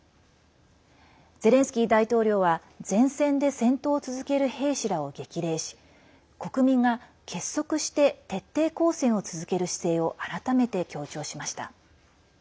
ゼレンスキー大統領は前線で戦闘を続ける兵士らを激励し国民が結束して徹底抗戦を続ける姿勢を改めて強調しました。